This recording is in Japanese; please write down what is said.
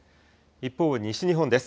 一方、西日本です。